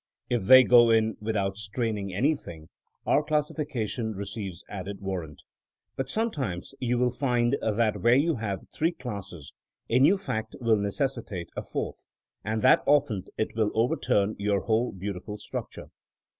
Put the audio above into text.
If they go in without straining anything, our classification receives added warrant. But sometimes you will find that where you have three classes a new fact will necessitate a fourth, and that often it will overturn your whole beau tiful structure.